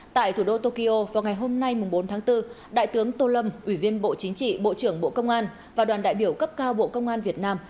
tại thủ đô tokyo vào ngày hôm nay bốn tháng bốn đại tướng tô lâm ủy viên bộ chính trị bộ trưởng bộ công an và đoàn đại biểu cấp cao bộ công an việt nam